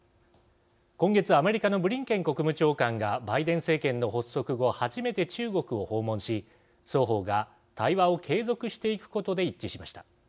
今月、アメリカのブリンケン国務長官がバイデン政権の発足後初めて中国を訪問し双方が対話を継続していくことで一致しました。